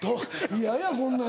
嫌やこんなん。